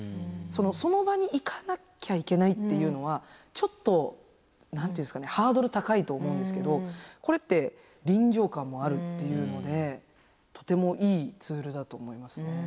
その場に行かなきゃいけないっていうのはちょっとハードル高いと思うんですけどこれって臨場感もあるっていうのでとてもいいツールだと思いますね。